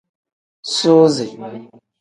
Suuzi.